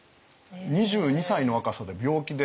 ２２歳の若さで病気で。